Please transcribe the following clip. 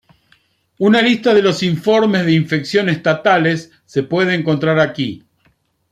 Una lista de los informes de infección estatales se puede encontrar aquí.